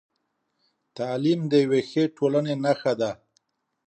تعلیم د یوې ښې ټولنې نښه ده.